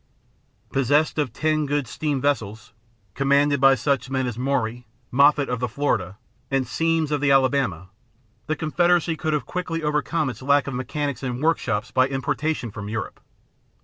Possessed of ten good steam vessels, commanded by such men as Maury, Maffitt of the Florida, and Semmes of the Alabama, the Confederacy could have quickly overcome its lack of mechanics and workshops by importation from Europe.